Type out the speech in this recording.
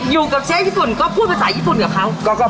อยู่กับเชฟญี่ปุ่นก็พูดภาษาญี่ปุ่นกับเขา